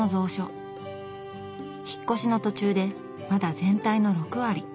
引っ越しの途中でまだ全体の６割。